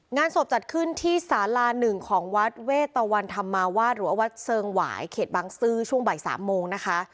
งานศพจัดขึ้นที่สาลา๑ของวัดเวตวันธรรมาวาสหรือว่าวัดเซิงหวายเขตบังซื้อช่วงบ่าย๓โมงนะคะ